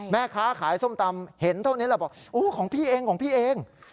แม่ค้าขายส้มตำเห็นเท่านี้แล้วบอกของพี่เอง